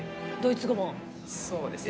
そうですね。